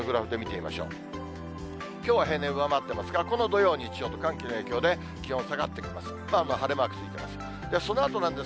きょうは平年を上回ってますが、この土曜、日曜の寒気の影響で、気温下がってきます。